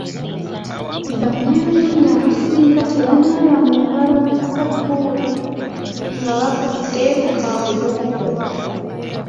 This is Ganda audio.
Bannayuganda abasinga tebanaaba mu ngalo na sabbuuni nga bavudde mu kaabuyonjo.